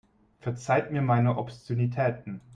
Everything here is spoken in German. Verzeiht mir meine Obszönitäten.